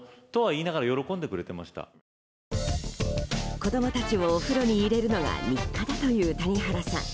子供たちをお風呂に入れるのが日課だという谷原さん。